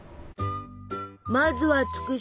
まずは「つくし」。